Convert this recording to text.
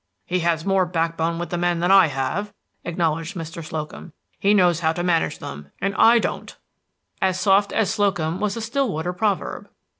"He has more backbone with the men than I have," acknowledged Mr. Slocum. "He knows how to manage them, and I don't." As soft as Slocum was a Stillwater proverb.